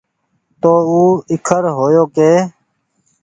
تو او ايکرهيو ڪي